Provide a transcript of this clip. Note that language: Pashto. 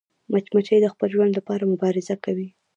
مچمچۍ د خپل ژوند لپاره مبارزه کوي